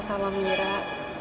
percaya sama mira